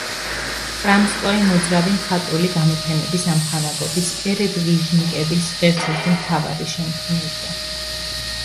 კრამსკოი მოძრავი მხატვრული გამოფენების ამხანაგობის „პერედვიჟნიკების“ ერთ-ერთი მთავარი შემქმნელია.